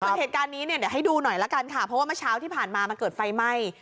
ส่วนเหตุการณ์นี้เนี่ยเดี๋ยวให้ดูหน่อยละกันค่ะเพราะว่าเมื่อเช้าที่ผ่านมามันเกิดไฟไหม้